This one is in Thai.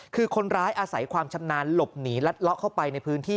คือคนร้ายอาศัยความชำนาญหลบหนีรัดเลาะเข้าไปในพื้นที่